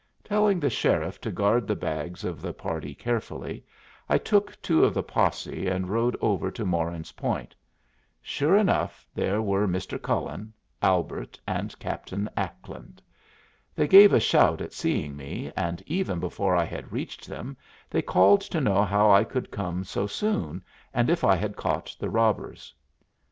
Telling the sheriff to guard the bags of the party carefully, I took two of the posse and rode over to Moran's Point. Sure enough, there were Mr. Cullen, Albert, and Captain Ackland. They gave a shout at seeing me, and even before I had reached them they called to know how I could come so soon, and if I had caught the robbers.